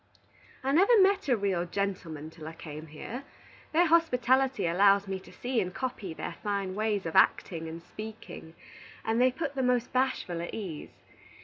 "I never met a real gentleman till I came here. Their hospitality allows me to see and copy their fine ways of acting and speaking, and they put the most Bashful at ease.